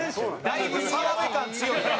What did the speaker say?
だいぶ澤部感強いな。